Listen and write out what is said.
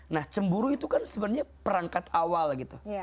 nah cemburu itu kan sebenarnya perangkat awal gitu